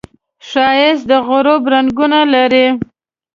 ښایست د غروب رنګونه لري